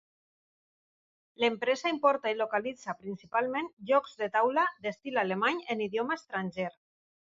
L'empresa importa i localitza principalment jocs de taula d'estil alemany en idioma estranger.